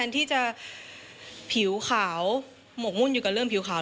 ที่จะผิวขาวหมกมุ่นอยู่กับเรื่องผิวขาว